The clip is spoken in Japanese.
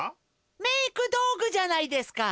メークどうぐじゃないですか？